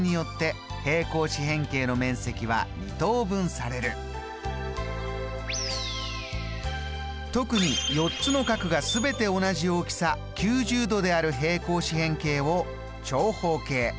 そして特に４つの角が全て同じ大きさ９０度である平行四辺形を長方形。